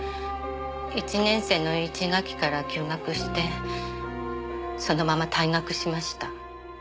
１年生の１学期から休学してそのまま退学しました。